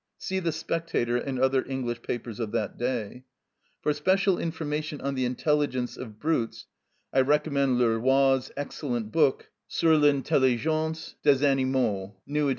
(See the Spectator and other English papers of that day.) For special information on the intelligence of brutes I recommend Leroy's excellent book, "Sur l'Intelligence des Animaux," _nouv. éd.